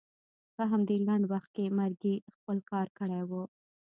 په همدې لنډ وخت کې مرګي خپل کار کړی و.